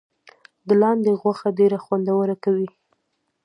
د لاندي غوښه ډیره خوندوره وي.